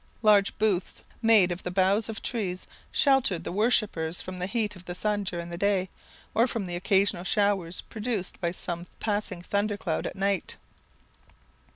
Large booths, made of the boughs of trees, sheltered the worshippers from the heat of the sun during the day, or from the occasional showers produced by some passing thunder cloud at night.